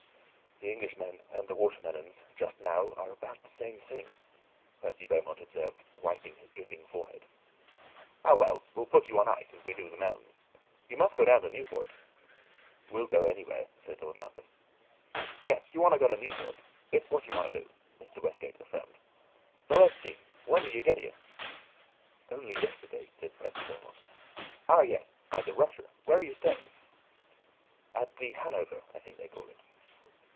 "The Englishmen and the watermelons just now are about the same thing," Percy Beaumont observed, wiping his dripping forehead. "Ah, well, we'll put you on ice, as we do the melons. You must go down to Newport." "We'll go anywhere," said Lord Lambeth. "Yes, you want to go to Newport; that's what you want to do," Mr. Westgate affirmed. "But let's see when did you get here?" "Only yesterday," said Percy Beaumont. "Ah, yes, by the Russia. Where are you staying?" "At the Hanover, I think they call it."